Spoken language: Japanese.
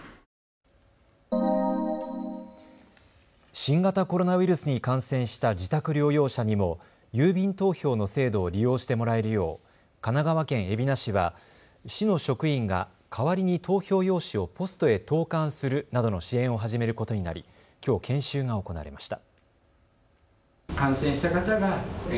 新型コロナウイルスに感染した自宅療養者にも郵便投票の制度を利用してもらえるよう神奈川県海老名市は市の職員が代わりに投票用紙をポストへ投かんするなどの支援を始めることになりきょう研修が行われました。